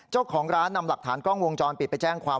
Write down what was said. เจ้าของร้านนำหลักฐานกล้องวงจรปิดไปแจ้งความ